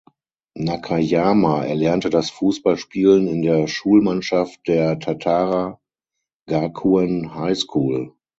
Nakayama erlernte das Fußballspielen in der Schulmannschaft der "Tatara Gakuen High School".